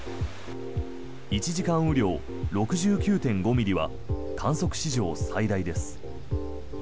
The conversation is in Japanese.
１時間雨量６９．５ミリは観測史上最大です。